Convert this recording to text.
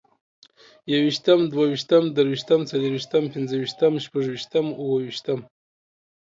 يوویشتم، دوويشتم، دريوشتم، څلورويشتم، پنځوويشتم، شپږويشتم، اوويشتمه